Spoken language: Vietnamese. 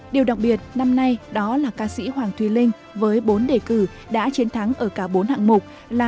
điều đặc biệt năm nay đó là ca sĩ hoàng thùy linh với bốn đề cử đã chiến thắng ở cả bốn hạng mục là